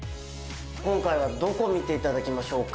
今回はどこを見ていただきましょうか？